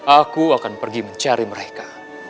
aku akan pergi mencari mereka